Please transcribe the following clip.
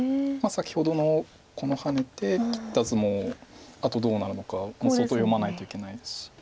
先ほどのこのハネて切った図もあとどうなるのかも相当読まないといけないですし。